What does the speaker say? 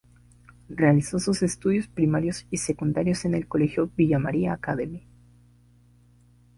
Realizó sus estudios primarios y secundarios en el colegio Villa Maria Academy.